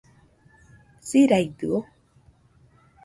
Siraidɨo